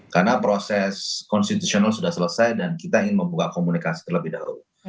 karena proses konstitusional sudah selesai dan kita ingin membuka komunikasi terlebih dahulu